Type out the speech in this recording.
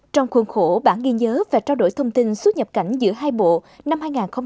trong khuôn khổ bản ghi nhớ và trao đổi thông tin xuất nhập cảnh giữa hai bộ năm hai nghìn hai mươi